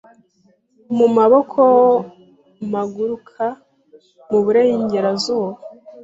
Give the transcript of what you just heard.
mu maboko mpaguruka mu burengerazuba